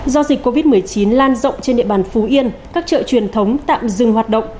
do dịch covid một mươi chín lan rộng trên địa bàn phú yên các chợ truyền thống tạm dừng hoạt động